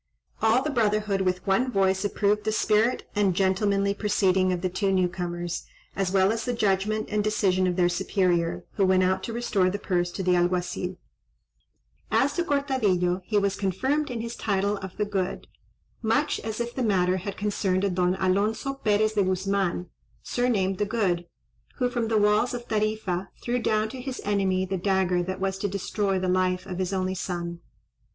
All the brotherhood with one voice approved the spirit and gentlemanly proceeding of the two new comers, as well as the judgment and decision of their superior, who went out to restore the purse to the Alguazil. As to Cortadillo, he was confirmed in his title of the Good, much as if the matter had concerned a Don Alonzo Perez de Guzman, surnamed the Good, who from the walls of Tarifa threw down to his enemy the dagger that was to destroy the life of his only son.